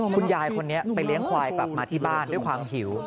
คุณยายคนนี้ไปเลี้ยงควายกลับมาที่บ้านด้วยความหิว